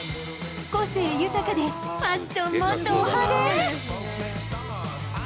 個性豊かで、ファッションもド派手。